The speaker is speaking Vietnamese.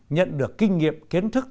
nhận được kinh nghiệm kiến thức